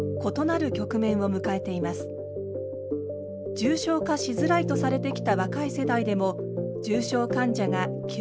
重症化しづらいとされてきた若い世代でも重症患者が急増。